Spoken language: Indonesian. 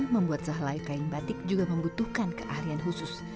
membuat sehelai kain batik juga membutuhkan keahlian khusus